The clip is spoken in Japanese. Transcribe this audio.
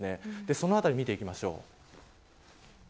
そのあたりを見ていきましょう。